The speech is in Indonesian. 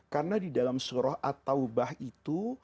karena di dalam surah at taubah itu